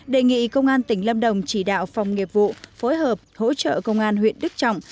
đề nghị công an tỉnh lâm đồng chỉ đạo phòng nghiệp vụ phối hợp hỗ trợ công an huyện đức trọng